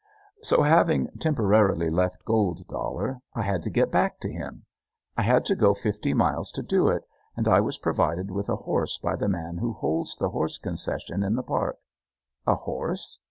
So, having temporarily left Gold Dollar, I had to get back to him. I had to go fifty miles to do it, and I was provided with a horse by the man who holds the horse concession in the park. A horse?